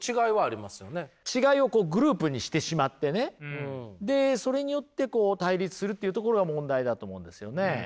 違いをこうグループにしてしまってねでそれによってこう対立するっていうところが問題だと思うんですよね。